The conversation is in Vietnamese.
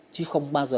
chứ không có gì